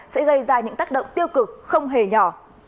sẽ gây ra những tác động tiêu cực không hề nhỏ